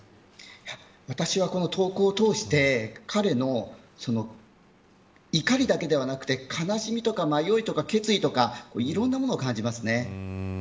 私は、この投稿を通して彼の怒りだけではなくて悲しみとか迷いとか決意とかいろんなものを感じますね。